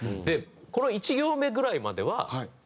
この１行目ぐらいまでは書ける。